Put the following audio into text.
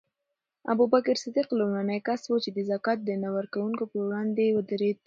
ابوبکر صدیق لومړنی کس و چې د زکات د نه ورکوونکو پر وړاندې ودرېد.